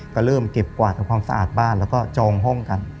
ก็เริ่มเก็บกวาดทำความสะอาดบ้านแล้วก็จองห้องกัน